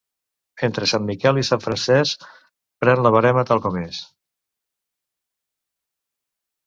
Entre Sant Miquel i Sant Francesc pren la verema tal com és.